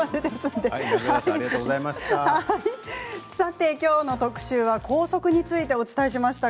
さてきょうの特集は校則についてお伝えしました。